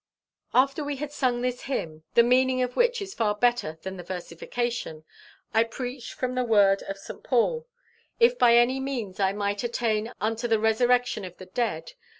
After we had sung this hymn, the meaning of which is far better than the versification, I preached from the words of St. Paul, "If by any means I might attain unto the resurrection of the dead.